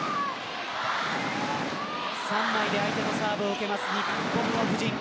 ３枚で相手のサーブを受ける日本の布陣